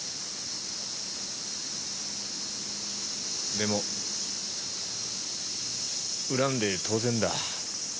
でも恨んで当然だ。